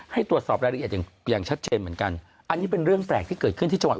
ให้ตรวจสอบรายละเอียดอย่างชัดเช็ดเหมือนกันอันนี้เป็นเรื่องแปลกที่